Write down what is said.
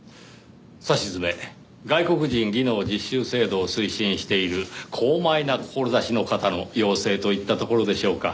さしずめ外国人技能実習制度を推進している高邁な志の方の要請といったところでしょうか。